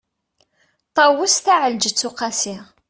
ṭawes taεelǧeţ uqasi